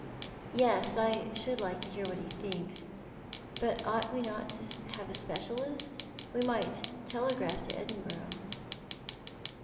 " Yes. I should like to hear wliat he thinks. But ought we not to have a specialist ? We might telegraph to Edinburgh."